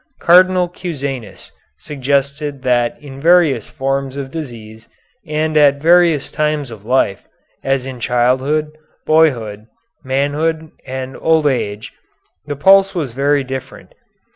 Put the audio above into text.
Cardinal Cusanus suggested that in various forms of disease and at various times of life, as in childhood, boyhood, manhood, and old age, the pulse was very different.